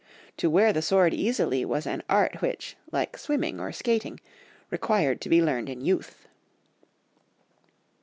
To wear the sword easily, was an art which, like swimming or skating, required to be learned in youth."